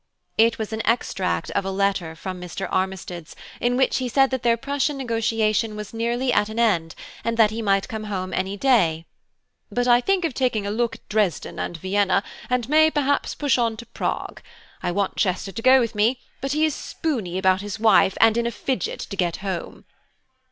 It was a extract from a letter of Mr. Armistead's in which he said that their Prussian negotiation was nearly at an end, that he might come home any day, "but I think of taking a look at Dresden and Vienna, and may perhaps push on to Prague. I want Chester to go with me, but he is spooney about his wife, and in a fidget to get home."